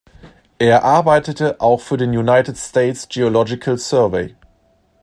Er arbeitete auch für den United States Geological Survey.